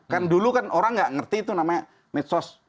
kan dulu kan orang nggak ngerti itu namanya medsos